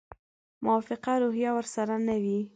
موافقه روحیه ورسره نه وي.